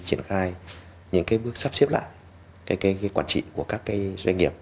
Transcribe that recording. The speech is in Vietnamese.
triển khai những cái bước sắp xếp lại cái cái quản trị của các cái doanh nghiệp